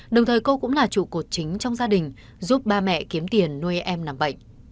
đồng thời cô cũng là trụ cột chính trong gia đình giúp ba mẹ kiếm tiền nuôi em nằm bệnh